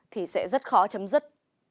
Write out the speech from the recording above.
thì sẽ rất khó chấm dứt